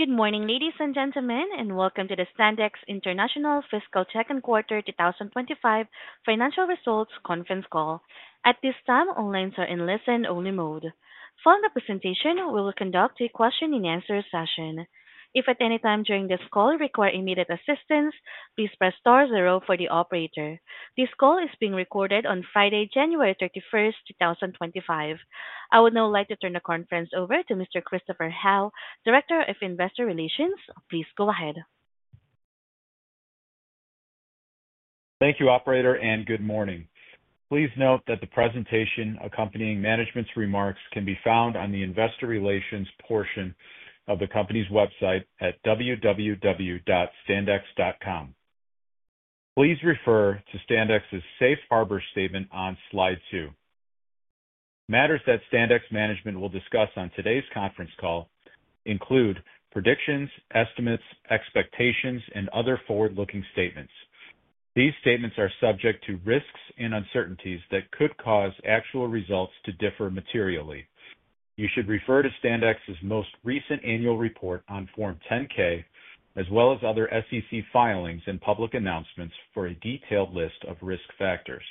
Good morning, ladies and gentlemen, and welcome to the Standex International Fiscal Second Quarter 2025 Financial Results Conference Call. At this time, all lines are in listen-only mode. Following the presentation, we will conduct a question-and-answer session. If at any time during this call you require immediate assistance, please press star zero for the operator. This call is being recorded on Friday, January 31st, 2025. I would now like to turn the conference over to Mr. Christopher Howe, Director of Investor Relations. Please go ahead. Thank you, Operator, and good morning. Please note that the presentation accompanying management's remarks can be found on the Investor Relations portion of the company's website at www.standex.com. Please refer to Standex's safe harbor statement on slide two. Matters that Standex management will discuss on today's conference call include predictions, estimates, expectations, and other forward-looking statements. These statements are subject to risks and uncertainties that could cause actual results to differ materially. You should refer to Standex's most recent annual report on Form 10-K, as well as other SEC filings and public announcements for a detailed list of risk factors.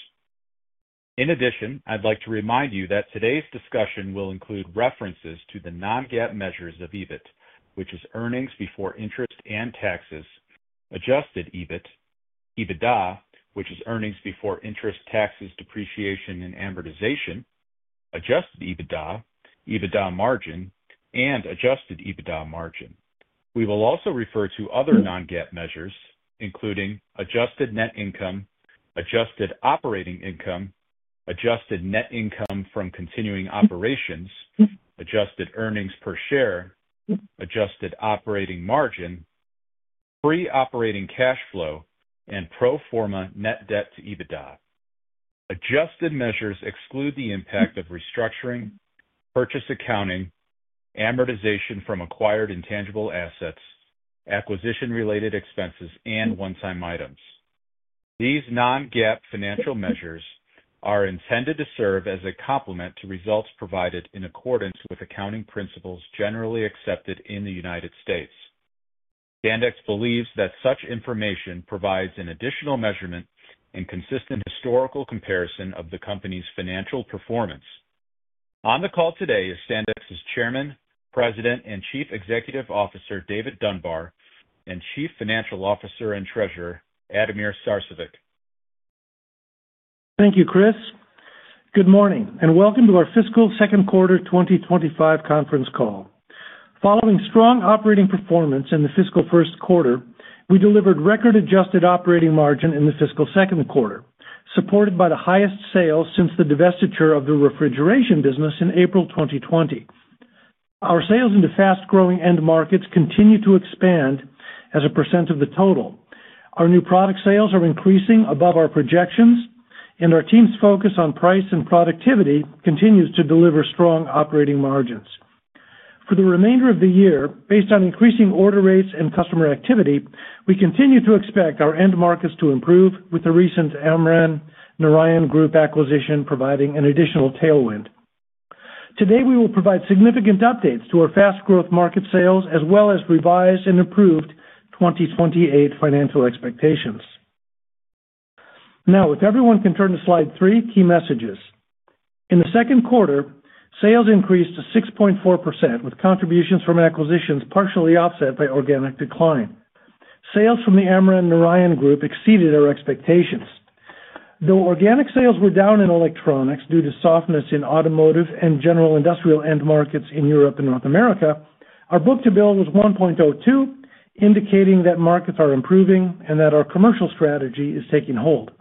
In addition, I'd like to remind you that today's discussion will include references to the non-GAAP measures of EBIT, which is earnings before interest and taxes adjusted EBIT, EBITDA, which is earnings before interest, taxes, depreciation, and amortization adjusted EBITDA, EBITDA margin, and adjusted EBITDA margin. We will also refer to other Non-GAAP measures, including adjusted net income, adjusted operating income, adjusted net income from continuing operations, adjusted earnings per share, adjusted operating margin, pre-operating cash flow, and pro forma net debt to EBITDA. Adjusted measures exclude the impact of restructuring, purchase accounting, amortization from acquired intangible assets, acquisition-related expenses, and one-time items. These Non-GAAP financial measures are intended to serve as a complement to results provided in accordance with accounting principles generally accepted in the United States. Standex believes that such information provides an additional measurement and consistent historical comparison of the company's financial performance. On the call today is Standex's Chairman, President, and Chief Executive Officer David Dunbar, and Chief Financial Officer and Treasurer Ademir Sarcevic. Thank you, Chris. Good morning, and welcome to our Fiscal Second Quarter 2025 Conference Call. Following strong operating performance in the fiscal first quarter, we delivered record adjusted operating margin in the fiscal second quarter, supported by the highest sales since the divestiture of the refrigeration business in April 2020. Our sales into fast-growing end markets continue to expand as a percent of the total. Our new product sales are increasing above our projections, and our team's focus on price and productivity continues to deliver strong operating margins. For the remainder of the year, based on increasing order rates and customer activity, we continue to expect our end markets to improve with the recent Amran/Narayan Group acquisition providing an additional tailwind. Today, we will provide significant updates to our fast-growth market sales as well as revised and improved 2028 financial expectations. Now, if everyone can turn to slide three, key messages. In the second quarter, sales increased to 6.4% with contributions from acquisitions partially offset by organic decline. Sales from the Amran/Narayan Group exceeded our expectations. Though organic sales were down in electronics due to softness in automotive and general industrial end markets in Europe and North America, our book-to-bill was 1.02, indicating that markets are improving and that our commercial strategy is taking hold.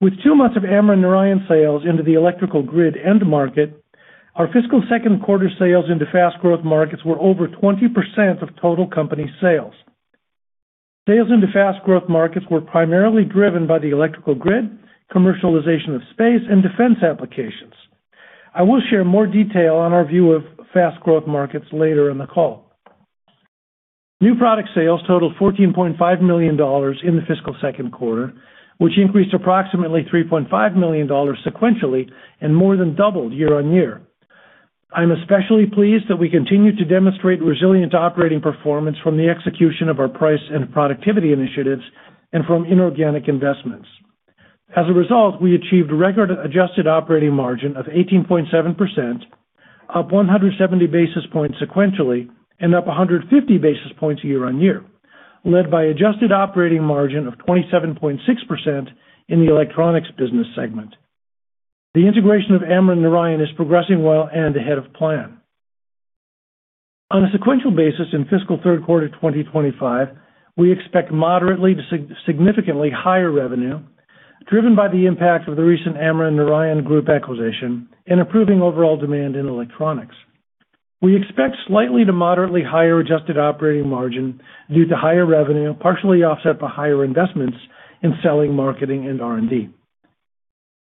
With two months of Amran/Narayan sales into the electrical grid end market, our fiscal second quarter sales into fast-growth markets were over 20% of total company sales. Sales into fast-growth markets were primarily driven by the electrical grid, commercialization of space, and defense applications. I will share more detail on our view of fast-growth markets later in the call. New product sales totaled $14.5 million in the fiscal second quarter, which increased approximately $3.5 million sequentially and more than doubled year-on-year. I'm especially pleased that we continue to demonstrate resilient operating performance from the execution of our price and productivity initiatives and from inorganic investments. As a result, we achieved a record adjusted operating margin of 18.7%, up 170 basis points sequentially, and up 150 basis points year-on-year, led by an adjusted operating margin of 27.6% in the electronics business segment. The integration of Amran/Narayan is progressing well and ahead of plan. On a sequential basis in fiscal third quarter 2025, we expect moderately to significantly higher revenue, driven by the impact of the recent Amran/Narayan Group acquisition and improving overall demand in electronics. We expect slightly to moderately higher adjusted operating margin due to higher revenue, partially offset by higher investments in selling, marketing, and R&D.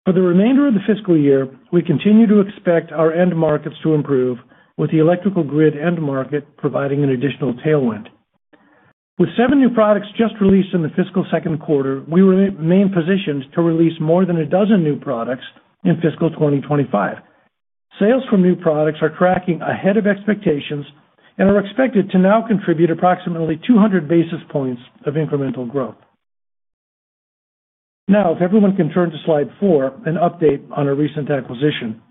For the remainder of the fiscal year, we continue to expect our end markets to improve, with the electrical grid end market providing an additional tailwind. With seven new products just released in the fiscal second quarter, we remain positioned to release more than a dozen new products in fiscal 2025. Sales from new products are tracking ahead of expectations and are expected to now contribute approximately 200 basis points of incremental growth. Now, if everyone can turn to slide four, an update on our recent acquisition.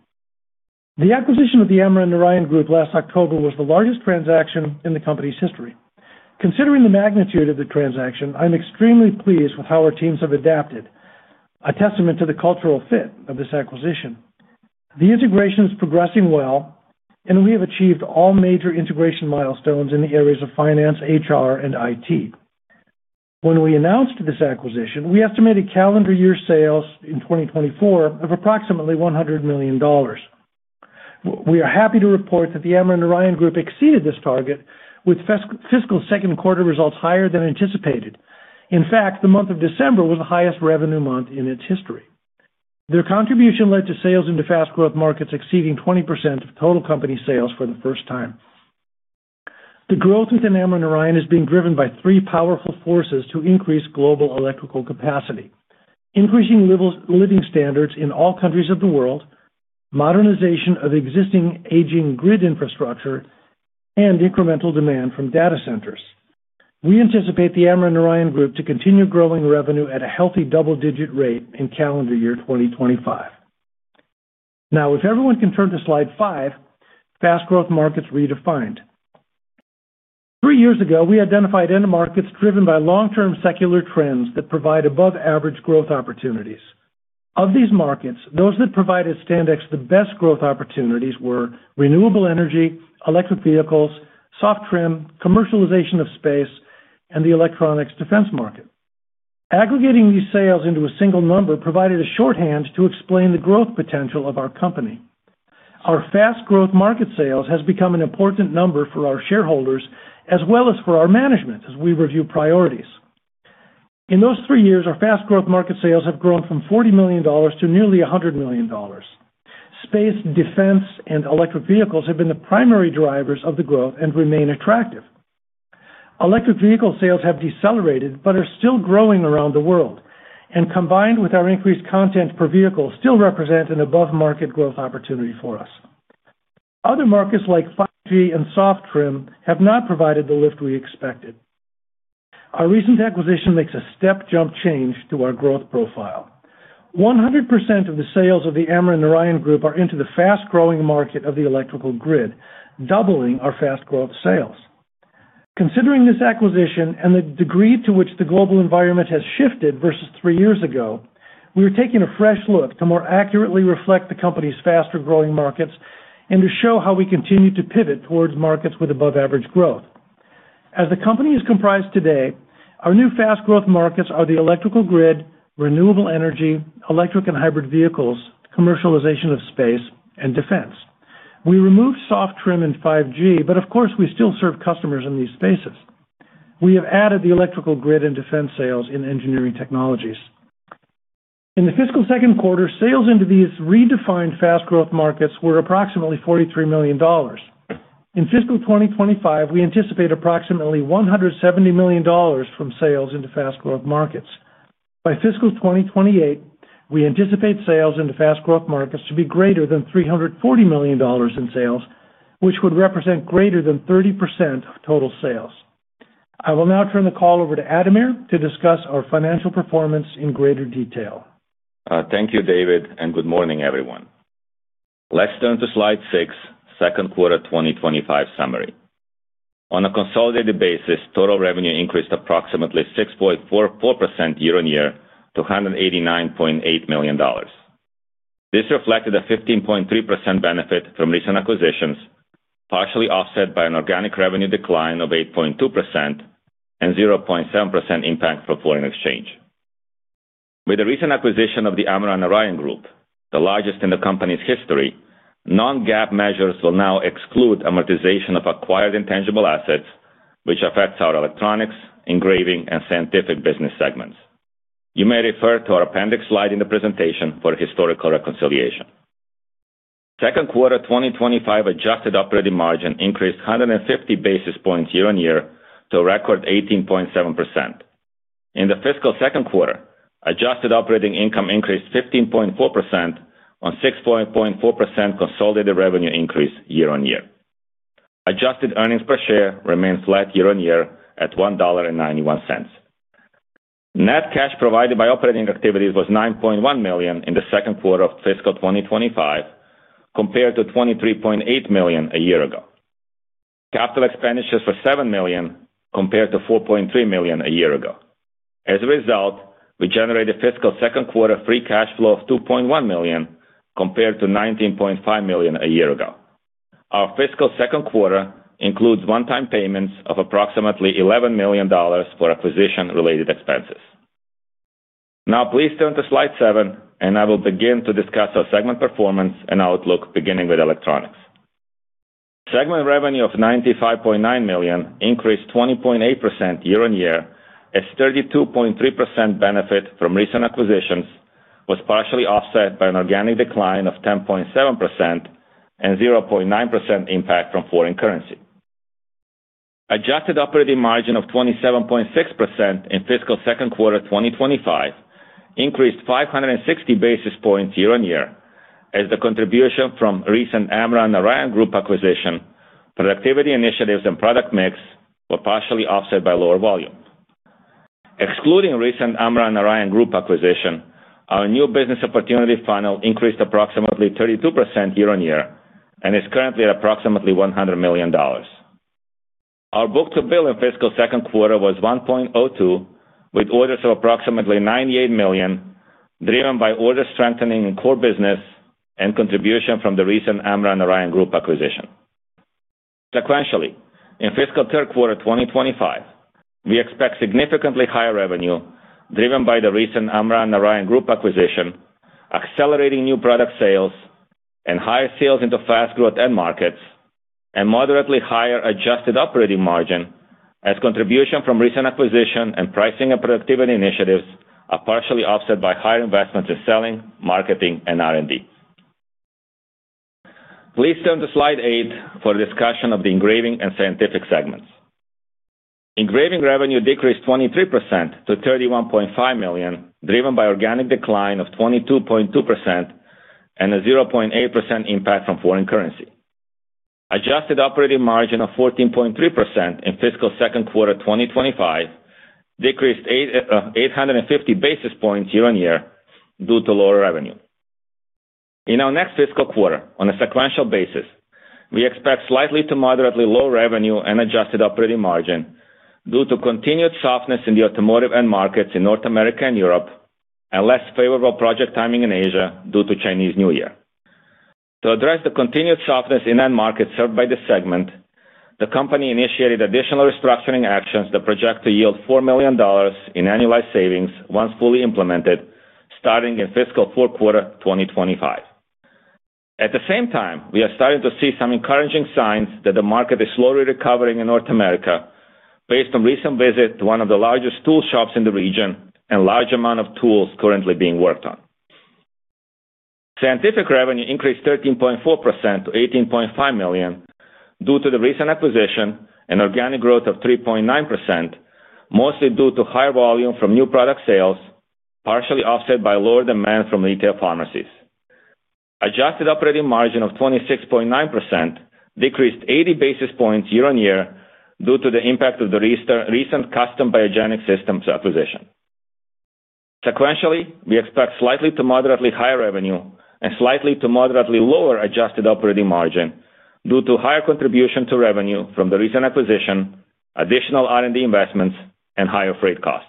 The acquisition of the Amran/Narayan Group last October was the largest transaction in the company's history. Considering the magnitude of the transaction, I'm extremely pleased with how our teams have adapted, a testament to the cultural fit of this acquisition. The integration is progressing well, and we have achieved all major integration milestones in the areas of finance, HR, and IT. When we announced this acquisition, we estimated calendar year sales in 2024 of approximately $100 million. We are happy to report that the Amran/Narayan Group exceeded this target with fiscal second quarter results higher than anticipated. In fact, the month of December was the highest revenue month in its history. Their contribution led to sales into fast-growth markets exceeding 20% of total company sales for the first time. The growth within Amran/Narayan is being driven by three powerful forces to increase global electrical capacity: increasing living standards in all countries of the world, modernization of existing aging grid infrastructure, and incremental demand from data centers. We anticipate the Amran/Narayan Group to continue growing revenue at a healthy double-digit rate in calendar year 2025. Now, if everyone can turn to slide five, fast-growth markets redefined. Three years ago, we identified end markets driven by long-term secular trends that provide above-average growth opportunities. Of these markets, those that provided Standex the best growth opportunities were renewable energy, electric vehicles, soft trim, commercialization of space, and the electronics defense market. Aggregating these sales into a single number provided a shorthand to explain the growth potential of our company. Our fast-growth market sales have become an important number for our shareholders as well as for our management as we review priorities. In those three years, our fast-growth market sales have grown from $40 million to nearly $100 million. Space, defense, and electric vehicles have been the primary drivers of the growth and remain attractive. Electric vehicle sales have decelerated but are still growing around the world, and combined with our increased content per vehicle, still represent an above-market growth opportunity for us. Other markets like 5G and soft trim have not provided the lift we expected. Our recent acquisition makes a step-jump change to our growth profile. 100% of the sales of the Amran/Narayan Group are into the fast-growing market of the electrical grid, doubling our fast-growth sales. Considering this acquisition and the degree to which the global environment has shifted versus three years ago, we are taking a fresh look to more accurately reflect the company's faster-growing markets and to show how we continue to pivot towards markets with above-average growth. As the company is comprised today, our new fast-growth markets are the electrical grid, renewable energy, electric and hybrid vehicles, commercialization of space, and defense. We removed soft trim in 5G, but of course, we still serve customers in these spaces. We have added the electrical grid and defense sales in engineering technologies. In the fiscal second quarter, sales into these redefined fast-growth markets were approximately $43 million. In fiscal 2025, we anticipate approximately $170 million from sales into fast-growth markets. By fiscal 2028, we anticipate sales into fast-growth markets to be greater than $340 million in sales, which would represent greater than 30% of total sales. I will now turn the call over to Ademir to discuss our financial performance in greater detail. Thank you, David, and good morning, everyone. Let's turn to slide six, second quarter 2025 summary. On a consolidated basis, total revenue increased approximately 6.44% year-on-year to $189.8 million. This reflected a 15.3% benefit from recent acquisitions, partially offset by an organic revenue decline of 8.2% and 0.7% impact from foreign exchange. With the recent acquisition of the Amran/Narayan Group, the largest in the company's history, non-GAAP measures will now exclude amortization of acquired intangible assets, which affects our electronics, engraving, and scientific business segments. You may refer to our appendix slide in the presentation for historical reconciliation. Second quarter 2025 adjusted operating margin increased 150 basis points year-on-year to a record 18.7%. In the fiscal second quarter, adjusted operating income increased 15.4% on 6.4% consolidated revenue increase year-on-year. Adjusted earnings per share remained flat year-on-year at $1.91. Net cash provided by operating activities was $9.1 million in the second quarter of fiscal 2025, compared to $23.8 million a year ago. Capital expenditures were $7 million compared to $4.3 million a year ago. As a result, we generated fiscal second quarter free cash flow of $2.1 million compared to $19.5 million a year ago. Our fiscal second quarter includes one-time payments of approximately $11 million for acquisition-related expenses. Now, please turn to slide seven, and I will begin to discuss our segment performance and outlook, beginning with electronics. Segment revenue of $95.9 million increased 20.8% year-on-year as 32.3% benefit from recent acquisitions was partially offset by an organic decline of 10.7% and 0.9% impact from foreign currency. Adjusted operating margin of 27.6% in fiscal second quarter 2025 increased 560 basis points year-on-year as the contribution from recent Amran/Narayan Group acquisition, productivity initiatives, and product mix were partially offset by lower volume. Excluding recent Amran/Narayan Group acquisition, our new business opportunity funnel increased approximately 32% year-on-year and is currently at approximately $100 million. Our book-to-bill in fiscal second quarter was 1.02, with orders of approximately $98 million driven by order strengthening in core business and contribution from the recent Amran/Narayan Group acquisition. Sequentially, in fiscal third quarter 2025, we expect significantly higher revenue driven by the recent Amran/Narayan Group acquisition, accelerating new product sales, and higher sales into fast-growth end markets, and moderately higher adjusted operating margin as contribution from recent acquisition and pricing and productivity initiatives are partially offset by higher investments in selling, marketing, and R&D. Please turn to slide eight for discussion of the Engraving and Scientific segments. Engraving revenue decreased 23% to $31.5 million, driven by organic decline of 22.2% and a 0.8% impact from foreign currency. Adjusted operating margin of 14.3% in fiscal second quarter 2025 decreased 850 basis points year-on-year due to lower revenue. In our next fiscal quarter, on a sequential basis, we expect slightly to moderately low revenue and adjusted operating margin due to continued softness in the automotive end markets in North America and Europe and less favorable project timing in Asia due to Chinese New Year. To address the continued softness in end markets served by this segment, the company initiated additional restructuring actions that project to yield $4 million in annualized savings once fully implemented, starting in fiscal fourth quarter 2025. At the same time, we are starting to see some encouraging signs that the market is slowly recovering in North America, based on recent visit to one of the largest tool shops in the region and large amount of tools currently being worked on. Scientific revenue increased 13.4% to $18.5 million due to the recent acquisition and organic growth of 3.9%, mostly due to higher volume from new product sales, partially offset by lower demand from retail pharmacies. Adjusted operating margin of 26.9% decreased 80 basis points year-on-year due to the impact of the recent Custom Biogenic Systems acquisition. Sequentially, we expect slightly to moderately higher revenue and slightly to moderately lower adjusted operating margin due to higher contribution to revenue from the recent acquisition, additional R&D investments, and higher freight costs.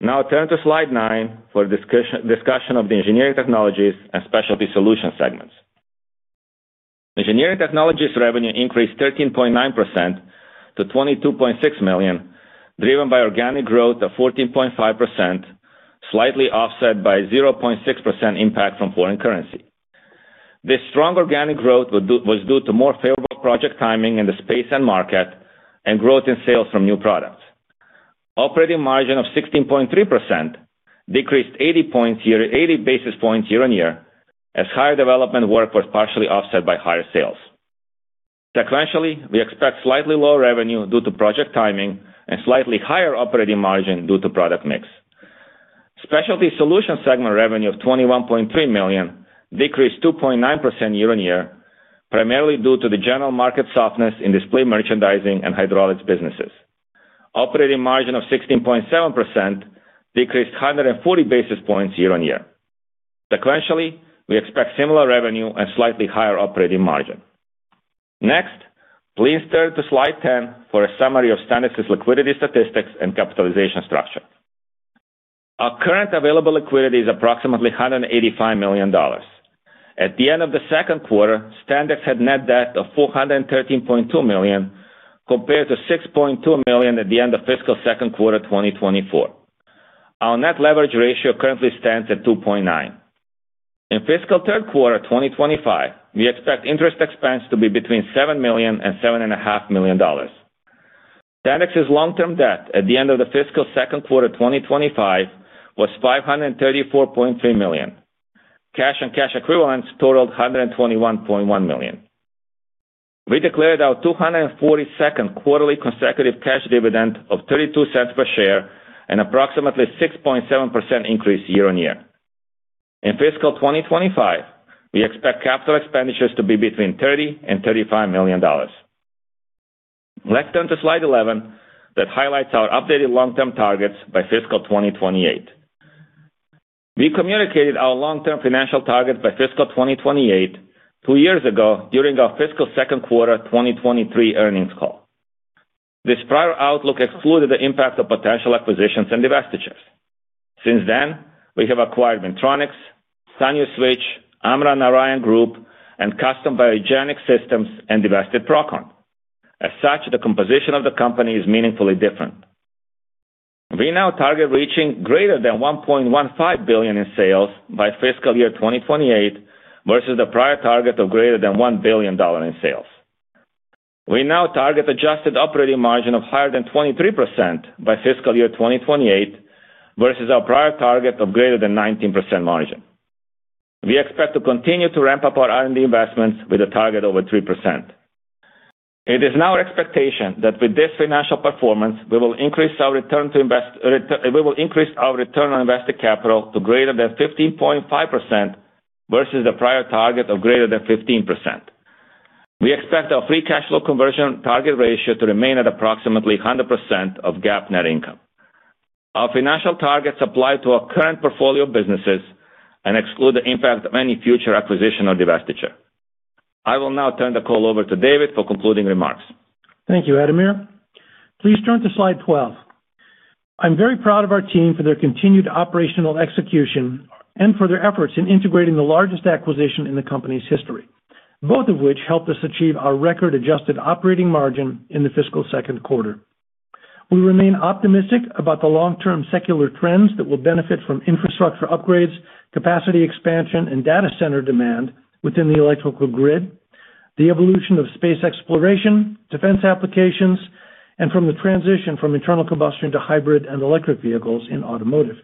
Now, turn to slide nine for discussion of the Engineering Technologies and Specialty Solutions segments. Engineering Technologies revenue increased 13.9% to $22.6 million, driven by organic growth of 14.5%, slightly offset by 0.6% impact from foreign currency. This strong organic growth was due to more favorable project timing in the space end market and growth in sales from new products. Operating margin of 16.3% decreased 80 basis points year-on-year as higher development work was partially offset by higher sales. Sequentially, we expect slightly lower revenue due to project timing and slightly higher operating margin due to product mix. Specialty Solutions segment revenue of $21.3 million decreased 2.9% year-on-year, primarily due to the general market softness in display merchandising and hydraulics businesses. Operating margin of 16.7% decreased 140 basis points year-on-year. Sequentially, we expect similar revenue and slightly higher operating margin. Next, please turn to slide 10 for a summary of Standex's liquidity statistics and capitalization structure. Our current available liquidity is approximately $185 million. At the end of the second quarter, Standex had net debt of $413.2 million compared to $6.2 million at the end of fiscal second quarter 2024. Our net leverage ratio currently stands at 2.9. In fiscal third quarter 2025, we expect interest expense to be between $7 million and $7.5 million. Standex's long-term debt at the end of the fiscal second quarter 2025 was $534.3 million. Cash and cash equivalents totaled $121.1 million. We declared our 242nd quarterly consecutive cash dividend of $0.32 per share and approximately 6.7% increase year-on-year. In fiscal 2025, we expect capital expenditures to be between $30 and $35 million. Let's turn to slide 11 that highlights our updated long-term targets by fiscal 2028. We communicated our long-term financial targets by fiscal 2028 two years ago during our fiscal second quarter 2023 earnings call. This prior outlook excluded the impact of potential acquisitions and divestitures. Since then, we have acquired Minntronix, Sanyo Switch, Amran/Narayan Group, and Custom Biogenic Systems and divested Procon. As such, the composition of the company is meaningfully different. We now target reaching greater than $1.15 billion in sales by fiscal year 2028 versus the prior target of greater than $1 billion in sales. We now target adjusted operating margin of higher than 23% by fiscal year 2028 versus our prior target of greater than 19% margin. We expect to continue to ramp up our R&D investments with a target over 3%. It is now our expectation that with this financial performance, we will increase our return on invested capital to greater than 15.5% versus the prior target of greater than 15%. We expect our free cash flow conversion target ratio to remain at approximately 100% of GAAP net income. Our financial targets apply to our current portfolio of businesses and exclude the impact of any future acquisition or divestiture. I will now turn the call over to David for concluding remarks. Thank you, Ademir. Please turn to slide 12. I'm very proud of our team for their continued operational execution and for their efforts in integrating the largest acquisition in the company's history, both of which helped us achieve our record-adjusted operating margin in the fiscal second quarter. We remain optimistic about the long-term secular trends that will benefit from infrastructure upgrades, capacity expansion, and data center demand within the electrical grid, the evolution of space exploration, defense applications, and from the transition from internal combustion to hybrid and electric vehicles in automotive.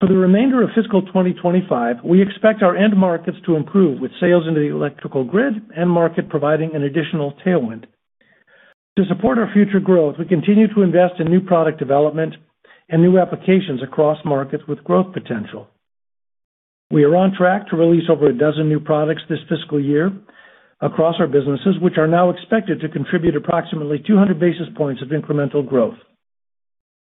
For the remainder of fiscal 2025, we expect our end markets to improve with sales into the electrical grid and market providing an additional tailwind. To support our future growth, we continue to invest in new product development and new applications across markets with growth potential. We are on track to release over a dozen new products this fiscal year across our businesses, which are now expected to contribute approximately 200 basis points of incremental growth.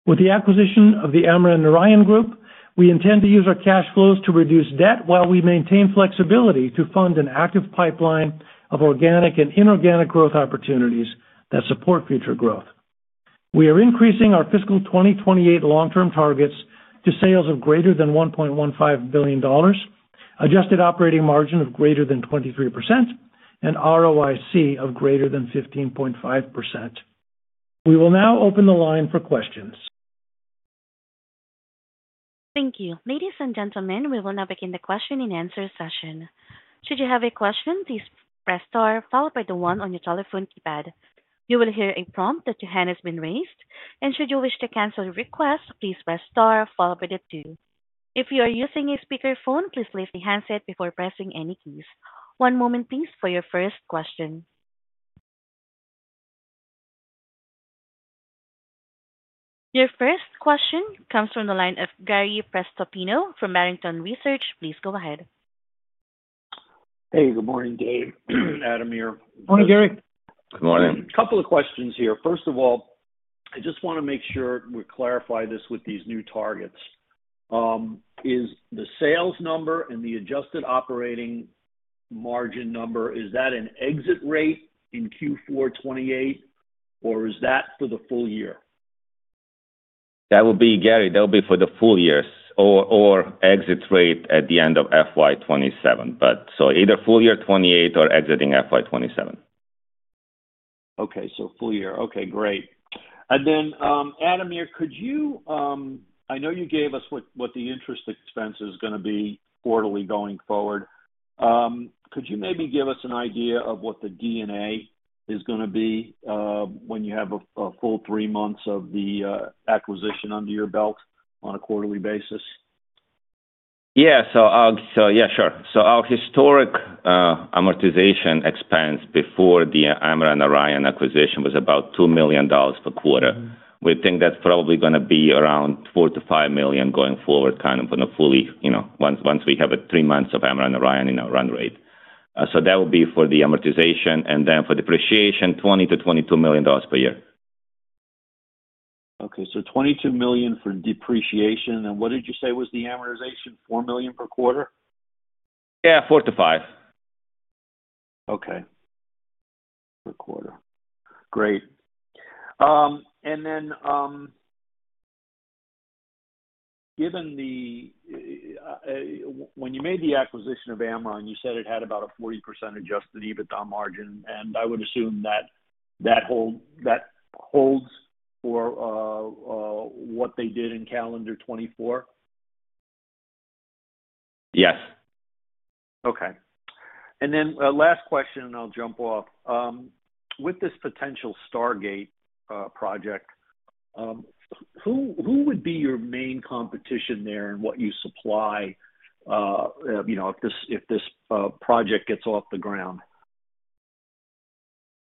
With the acquisition of the Amran/Narayan Group, we intend to use our cash flows to reduce debt while we maintain flexibility to fund an active pipeline of organic and inorganic growth opportunities that support future growth. We are increasing our fiscal 2028 long-term targets to sales of greater than $1.15 billion, adjusted operating margin of greater than 23%, and ROIC of greater than 15.5%. We will now open the line for questions. Thank you. Ladies and gentlemen, we will now begin the question and answer session. Should you have a question, please press star followed by the one on your telephone keypad. You will hear a prompt that your hand has been raised, and should you wish to cancel a request, please press star followed by the two. If you are using a speakerphone, please lift the handset before pressing any keys. One moment, please, for your first question. Your first question comes from the line of Gary Prestopino from Barrington Research. Please go ahead. Hey, good morning, Dave. Ademir. Morning, Gary. Good morning. A couple of questions here. First of all, I just want to make sure we clarify this with these new targets. Is the sales number and the Adjusted Operating Margin number, is that an exit rate in Q4 2028, or is that for the full year? That will be Gary, that will be for the full years or exit rate at the end of FY 2027. So either full year 2028 or exiting FY 2027. Okay, so full year. Okay, great. And then, Ademir, could you—I know you gave us what the interest expense is going to be quarterly going forward. Could you maybe give us an idea of what the EBITDA is going to be when you have a full three months of the acquisition under your belt on a quarterly basis? Yeah, so yeah, sure. So our historic amortization expense before the Amran/Narayan acquisition was about $2 million per quarter. We think that's probably going to be around $4-$5 million going forward, kind of on a fully, once we have three months of Amran/Narayan in our run rate. So that will be for the amortization. And then for depreciation, $20-$22 million per year. Okay, so $22 million for depreciation. And what did you say was the amortization? $4 million per quarter? Yeah, $4-$5. Okay, per quarter. Great. And then, given the, when you made the acquisition of Amran, you said it had about a 40% Adjusted EBITDA margin. And I would assume that holds for what they did in calendar 2024? Yes. Okay. And then last question, and I'll jump off. With this potential Stargate project, who would be your main competition there and what you supply if this project gets off the ground?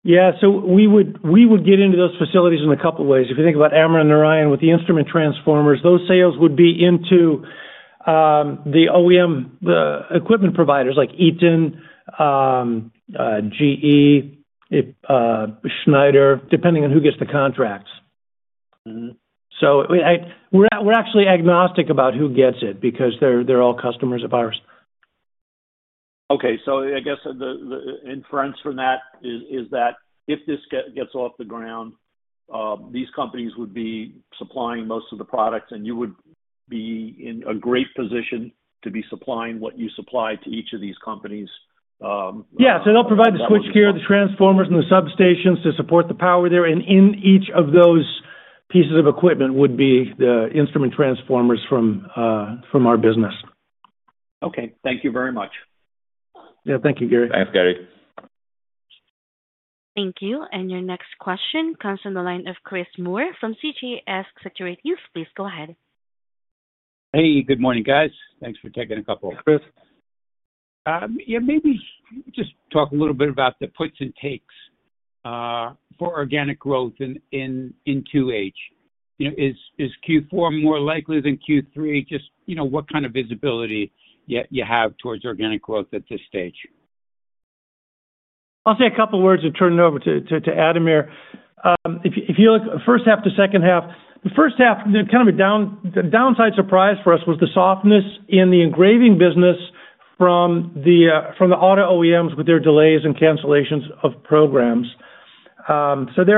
Yeah, so we would get into those facilities in a couple of ways. If you think about Amran Narayan with the instrument transformers, those sales would be into the OEM equipment providers like Eaton, GE, Schneider, depending on who gets the contracts. So we're actually agnostic about who gets it because they're all customers of ours. Okay, so I guess the inference from that is that if this gets off the ground, these companies would be supplying most of the products, and you would be in a great position to be supplying what you supply to each of these companies. Yeah, so they'll provide the switchgear, the transformers, and the substations to support the power there. And in each of those pieces of equipment would be the instrument transformers from our business. Okay, thank you very much. Yeah, thank you, Gary. Thanks, Gary. Thank you. And your next question comes from the line of Chris Moore from CJS Securities. Please go ahead. Hey, good morning, guys. Thanks for taking a couple. Chris. Yeah, maybe just talk a little bit about the puts and takes for organic growth in Q8. Is Q4 more likely than Q3? Just what kind of visibility you have towards organic growth at this stage? I'll say a couple of words and turn it over to Ademir. If you look at the first half, the second half, the first half, kind of a downside surprise for us was the softness in the engraving business from the auto OEMs with their delays and cancellations of programs. So they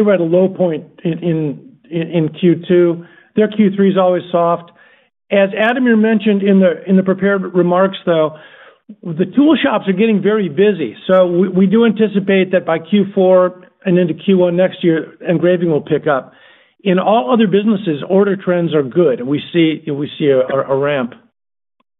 were at a low point in Q2. Their Q3 is always soft. As Ademir mentioned in the prepared remarks, though, the tool shops are getting very busy. So we do anticipate that by Q4 and into Q1 next year, engraving will pick up. In all other businesses, order trends are good, and we see a ramp.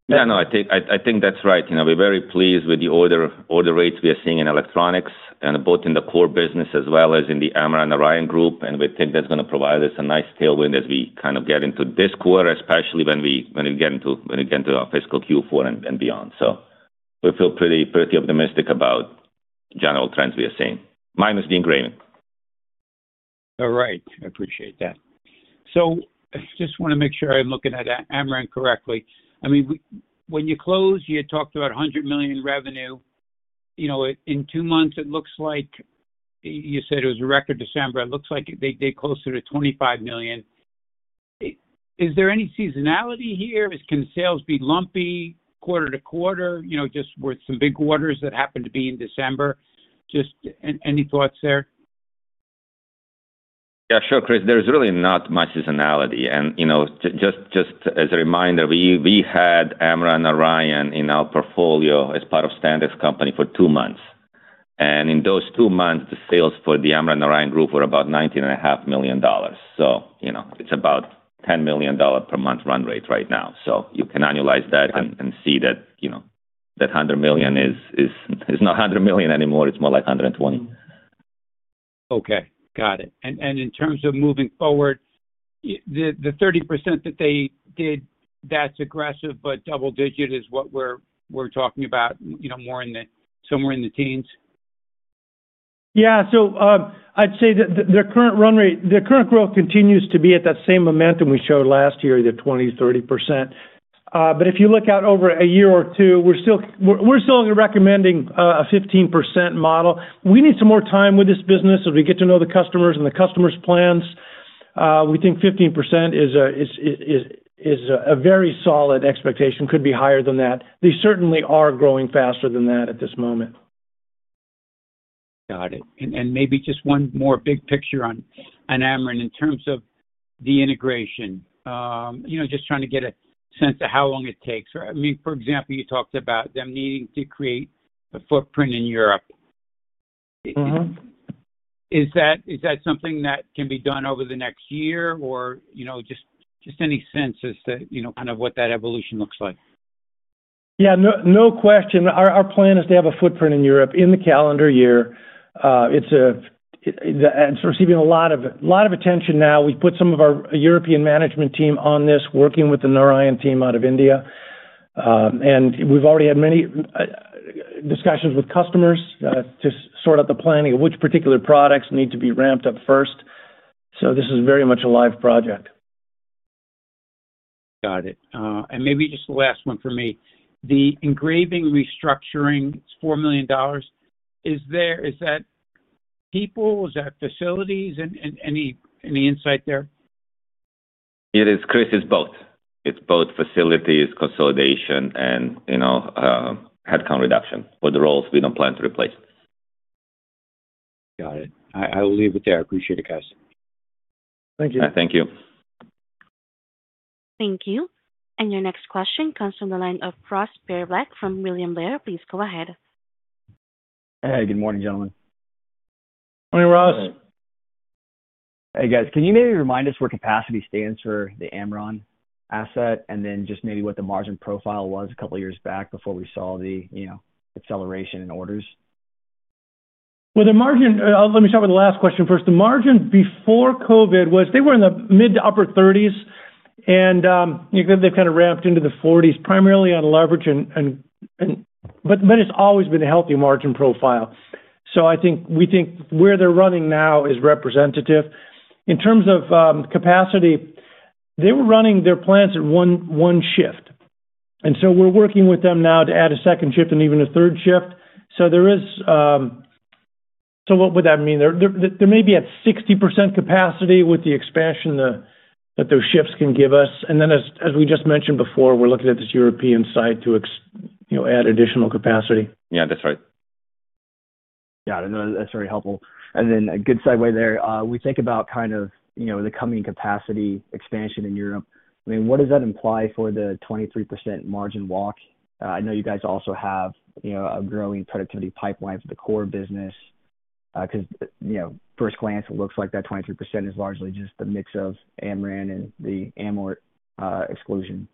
Yeah, no, I think that's right. We're very pleased with the order rates we are seeing in Electronics and both in the core business as well as in the Amran Narayan Group. And we think that's going to provide us a nice tailwind as we kind of get into this quarter, especially when we get into our fiscal Q4 and beyond. So we feel pretty optimistic about general trends we are seeing, minus the Engraving. All right. I appreciate that. So I just want to make sure I'm looking at Amran correctly. I mean, when you close, you had talked about $100 million in revenue. In two months, it looks like you said it was a record December. It looks like they did closer to $25 million. Is there any seasonality here? Can sales be lumpy, quarter to quarter, just with some big orders that happen to be in December? Just any thoughts there? Yeah, sure, Chris. There's really not much seasonality. Just as a reminder, we had Amran/Narayan in our portfolio as part of Standex Company for two months. In those two months, the sales for the Amran/Narayan group were about $19.5 million. So it's about $10 million per month run rate right now. You can annualize that and see that $100 million is not $100 million anymore. It's more like $120. Okay, got it and in terms of moving forward, the 30% that they did, that's aggressive, but double-digit is what we're talking about, somewhere in the teens? Yeah, so I'd say that their current run rate, their current growth continues to be at that same momentum we showed last year, the 20%-30%. But if you look out over a year or two, we're still recommending a 15% model. We need some more time with this business as we get to know the customers and the customers' plans. We think 15% is a very solid expectation. Could be higher than that. They certainly are growing faster than that at this moment. Got it. And maybe just one more big picture on Amran in terms of the integration, just trying to get a sense of how long it takes. I mean, for example, you talked about them needing to create a footprint in Europe. Is that something that can be done over the next year or just any sense as to kind of what that evolution looks like? Yeah, no question. Our plan is to have a footprint in Europe in the calendar year. It's receiving a lot of attention now. We've put some of our European management team on this, working with the Narayan team out of India. And we've already had many discussions with customers to sort out the planning of which particular products need to be ramped up first. So this is very much a live project. Got it. And maybe just the last one for me. The engraving restructuring, $4 million. Is that people? Is that facilities? Any insight there? It is, Chris. It's both. It's both facilities, consolidation, and headcount reduction for the roles we don't plan to replace. Got it. I will leave it there. I appreciate it, guys. Thank you. Thank you. Thank you. And your next question comes from the line of Ross Sparenblek from William Blair. Please go ahead. Hey, good morning, gentlemen. Morning, Ross. Hey, guys. Can you maybe remind us where capacity stands for the Amran asset and then just maybe what the margin profile was a couple of years back before we saw the acceleration in orders? Let me start with the last question first. The margin before COVID was they were in the mid- to upper-30s%. And they've kind of ramped into the 40s% primarily on leverage. But it's always been a healthy margin profile. So I think where they're running now is representative. In terms of capacity, they were running their plants at one shift. And so we're working with them now to add a second shift and even a third shift. So what would that mean? They may be at 60% capacity with the expansion that those shifts can give us. And then, as we just mentioned before, we're looking at this European site to add additional capacity. Yeah, that's right. Got it. That's very helpful. And then a good segue there. When we think about kind of the coming capacity expansion in Europe. I mean, what does that imply for the 23% margin walk? I know you guys also have a growing productivity pipeline for the core business. At first glance, it looks like that 23% is largely just the mix of Amran and the amort exclusion.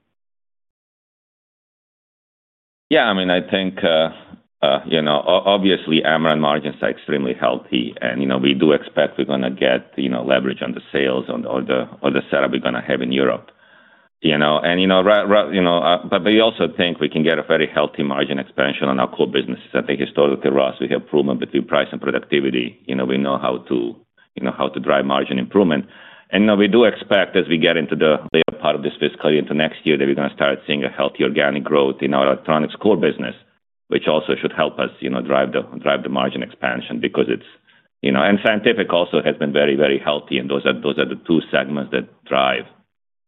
Yeah, I mean, I think obviously Amran margins are extremely healthy. And we do expect we're going to get leverage on the sales or the setup we're going to have in Europe. And but we also think we can get a very healthy margin expansion on our core businesses. I think historically, Ross, we have proven between price and productivity. We know how to drive margin improvement. And we do expect as we get into the later part of this fiscal year into next year that we're going to start seeing a healthy organic growth in our electronics core business, which also should help us drive the margin expansion because it's and scientific also has been very, very healthy. And those are the two segments that drive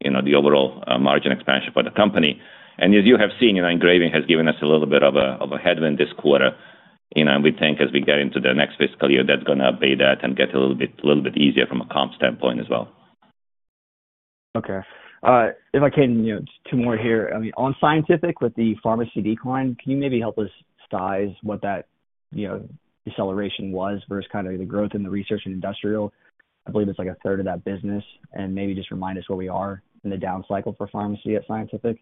the overall margin expansion for the company. As you have seen, Engraving has given us a little bit of a headwind this quarter. We think as we get into the next fiscal year, that's going to be that and get a little bit easier from a comp standpoint as well. Okay. If I can just two more here. I mean, on Scientific with the pharmacy decline, can you maybe help us size what that acceleration was versus kind of the growth in the research and industrial? I believe it's like a third of that business. And maybe just remind us where we are in the down cycle for pharmacy at Scientific.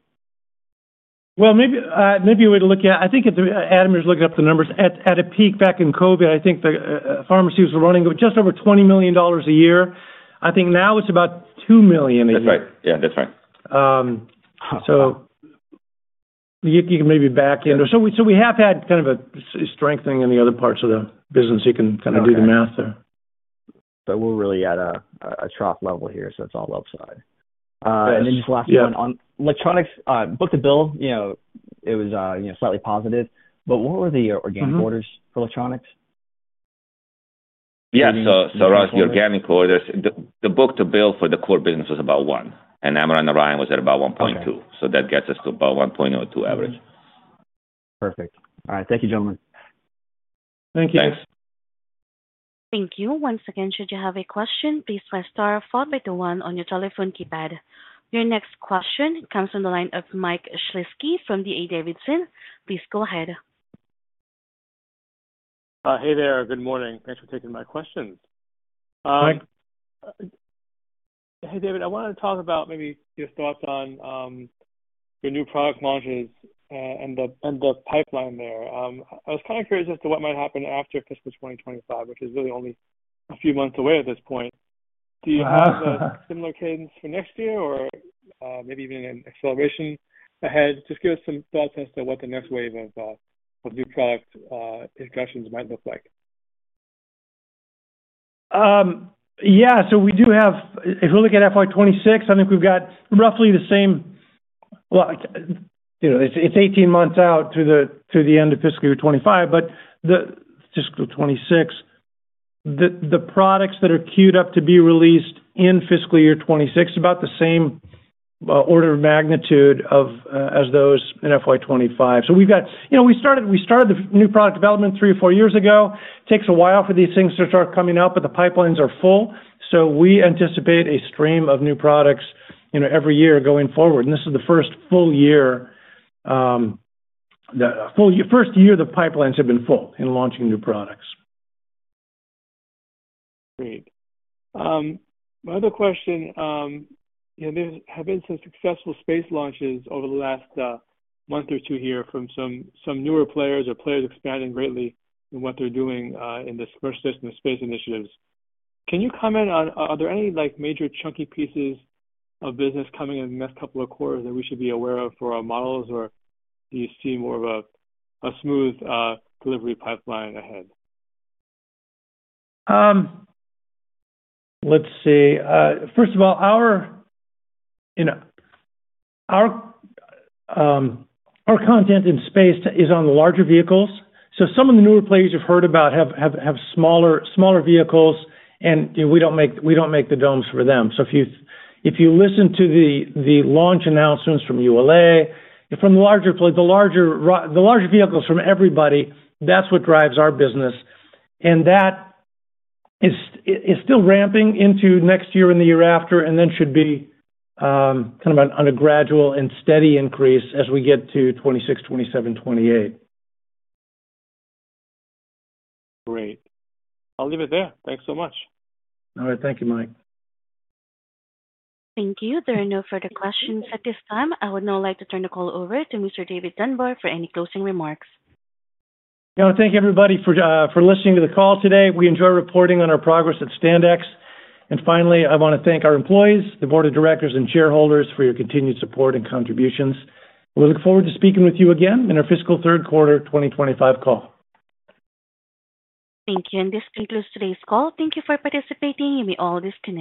Maybe we'd look at, I think, Ademir's looking up the numbers. At a peak back in COVID, I think the pharmacies were running just over $20 million a year. I think now it's about $2 million a year. That's right. Yeah, that's right. So you can maybe back into it. So we have had kind of a strengthening in the other parts of the business. You can kind of do the math there. But we're really at a trough level here, so it's all upside. Then just last one on Electronics, book-to-bill. It was slightly positive. What were the organic orders for Electronics? Yeah, so Ross, the organic orders, the book-to-bill for the core business was about 1. And Amran/Narayan was at about 1.2. So that gets us to about 1.02 average. Perfect. All right. Thank you, gentlemen. Thank you. Thanks. Thank you. Once again, should you have a question, please press star followed by the one on your telephone keypad. Your next question comes from the line of Mike Shlisky from D.A. Davidson. Please go ahead. Hey there. Good morning. Thanks for taking my questions. Hi. Hey, David. I wanted to talk about maybe your thoughts on the new product launches and the pipeline there. I was kind of curious as to what might happen after fiscal 2025, which is really only a few months away at this point. Do you have a similar cadence for next year or maybe even an acceleration ahead? Just give us some thoughts as to what the next wave of new product discussions might look like. Yeah, so we do have, if we look at FY26, I think we've got roughly the same. Well, it's 18 months out to the end of fiscal year '25, but fiscal '26, the products that are queued up to be released in fiscal year '26 is about the same order of magnitude as those in FY25. So we've got. We started the new product development three or four years ago. It takes a while for these things to start coming up, but the pipelines are full. So we anticipate a stream of new products every year going forward. And this is the first full year the pipelines have been full in launching new products. Great. My other question, there have been some successful space launches over the last month or two here from some newer players or players expanding greatly in what they're doing in the commercial system of space initiatives. Can you comment on are there any major chunky pieces of business coming in the next couple of quarters that we should be aware of for our models, or do you see more of a smooth delivery pipeline ahead? Let's see. First of all, our content in space is on the larger vehicles. So some of the newer players you've heard about have smaller vehicles, and we don't make the domes for them. So if you listen to the launch announcements from ULA, from the larger vehicles from everybody, that's what drives our business. And that is still ramping into next year and the year after, and then should be kind of on a gradual and steady increase as we get to 2026, 2027, 2028. Great. I'll leave it there. Thanks so much. All right. Thank you, Mike. Thank you. There are no further questions at this time. I would now like to turn the call over to Mr. David Dunbar for any closing remarks. Thank you, everybody, for listening to the call today. We enjoy reporting on our progress at Standex. And finally, I want to thank our employees, the board of directors, and shareholders for your continued support and contributions. We look forward to speaking with you again in our fiscal third quarter 2025 call. Thank you. This concludes today's call. Thank you for participating. You may always connect.